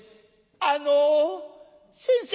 「あの先生」。